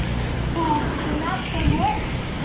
大きくなってね！